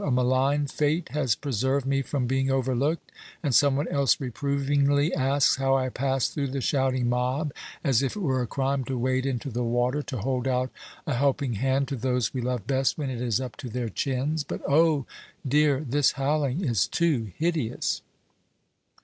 a malign fate has preserved me from being overlooked, and some one else reprovingly asks how I passed through the shouting mob, as if it were a crime to wade into the water to hold out a helping hand to those we love best when it is up to their chins! But, oh! dear, this howling is too hideous!"